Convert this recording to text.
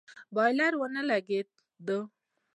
بايلر نه و لگېدلى.